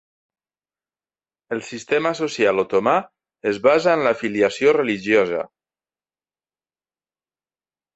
El sistema social otomà es basa en l'afiliació religiosa.